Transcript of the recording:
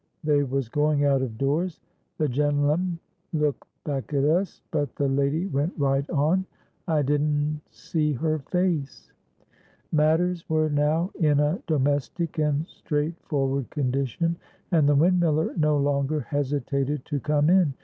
They was going out of doors. The genle'm look back at us, but the lady went right on. I didn' see her face." Matters were now in a domestic and straightforward condition, and the windmiller no longer hesitated to come in.